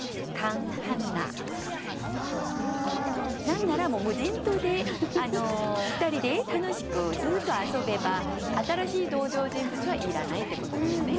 何ならもう無人島で２人で楽しくずっと遊べば新しい登場人物はいらないってことですね。